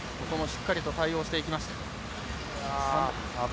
ここもしっかりと対応していきました。